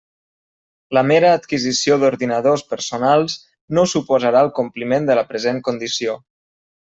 La mera adquisició d'ordinadors personals no suposarà el compliment de la present condició.